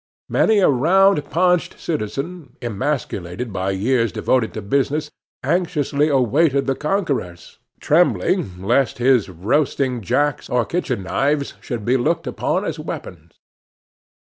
Many a round paunched citizen, emasculated by years devoted to business, anxiously awaited the conquerors, trembling lest his roasting jacks or kitchen knives should be looked upon as weapons.